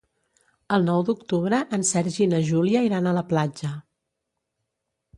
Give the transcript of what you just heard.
El nou d'octubre en Sergi i na Júlia iran a la platja.